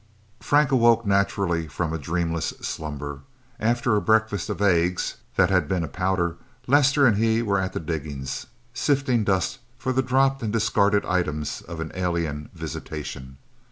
Frank awoke naturally from a dreamless slumber. After a breakfast of eggs that had been a powder, Lester and he were at the diggings, sifting dust for the dropped and discarded items of an alien visitation.